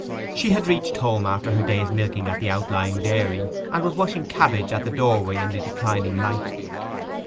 She had reached home after her day's milking at the outlying dairy, and was washing cabbage at the doorway in the declining light.